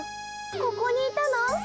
ここにいたの？